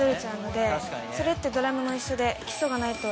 それってドラムも一緒で。